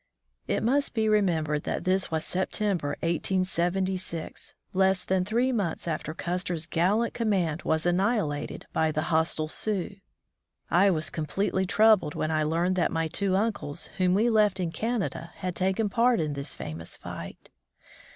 It must be remembered that this was September, 1876, less than three months after Custer's gallant command was anni hilated by the hostile Sioux. I was especially troubled when I learned that my two uncles whom we left in Canada had taken part in this famous fight.